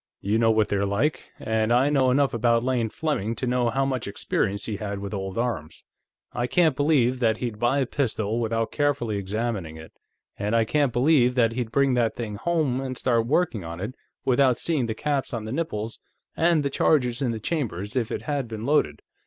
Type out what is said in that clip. You know what they're like. And I know enough about Lane Fleming to know how much experience he had with old arms. I can't believe that he'd buy a pistol without carefully examining it, and I can't believe that he'd bring that thing home and start working on it without seeing the caps on the nipples and the charges in the chambers, if it had been loaded.